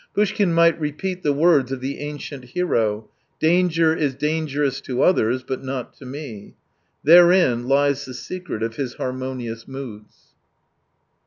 Poushkin might repeat the words of the ancient hero :" danger is dangerous to others, but not to me." There in lies the secret of his harmonious moods.